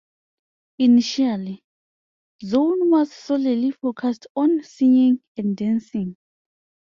Initially, Zone was solely focused on singing and dancing.